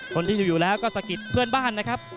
คนที่อยู่แล้วก็สะกิดเพื่อนบ้านนะครับ